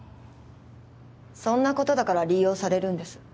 そんなことだから利用されるんです